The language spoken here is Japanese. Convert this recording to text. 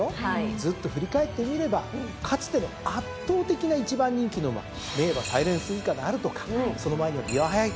ずっと振り返ってみればかつての圧倒的な１番人気の馬名馬サイレンススズカであるとかその前にはビワハヤヒデ。